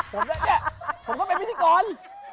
ผมก็เป็นพิธีกร